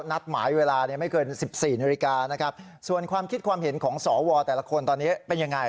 นัดหมายเวลาเนี่ยไม่เกินสิบสี่นาฬิกานะครับส่วนความคิดความเห็นของสวแต่ละคนตอนนี้เป็นยังไง